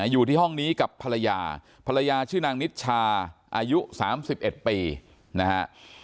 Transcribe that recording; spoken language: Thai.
อยู่ที่ห้องนี้กับภรรยาภรรยาชื่อนางนิชชาอายุ๓๑ปีนะฮะ